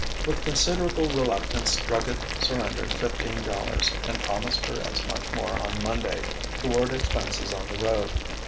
With considerable reluctance Druggett surrendered fifteen dollars, and promised her as much more on Monday, toward expenses on the road.